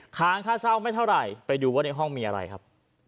ค้างค่าเช่าไม่เท่าไหร่ไปดูว่าในห้องมีอะไรครับ